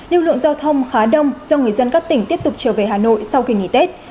lưu lượng giao thông khá đông do người dân các tỉnh tiếp tục trở về hà nội sau kỳ nghỉ tết